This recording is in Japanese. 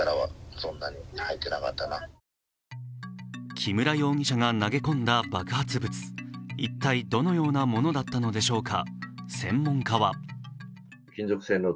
木村容疑者が投げ込んだ爆発物、一体どのようなものだったのでしょうか。